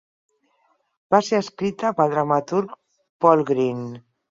Va ser escrita pel dramaturg Paul Green.